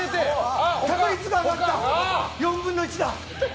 確率が上がった、４分の１だ。